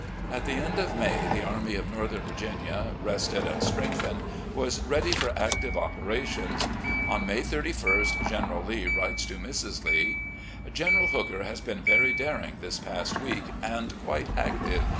At the end of May, the Army of Northern Virginia, rested and strengthened, was ready for active operations. On May 31st General Lee writes to Mrs. Lee: "... General Hooker has been very daring this past week, and quite active.